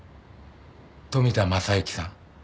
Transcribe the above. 富田正之さん